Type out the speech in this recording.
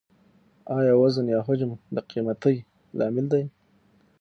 آیا وزن یا حجم د قیمتۍ لامل دی؟